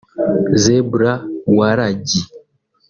Zebra Waragi